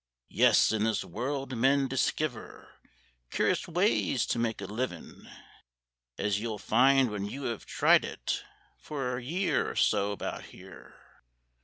Yes, in this world men diskiver Cur'ous ways to make a livin', Ez you'll find when you hev tried it For a year or so about here."